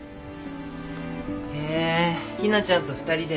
へえひなちゃんと二人で。